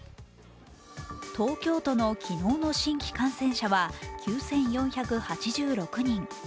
東京都の昨日の新規感染者は９４８６人。